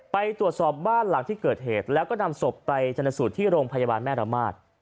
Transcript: ไปตรวจสอบบ้านหลังที่เกิดเหตุแล้วก็นำศพไปชนสูตรที่โรงพยาบาลแม่ระมาท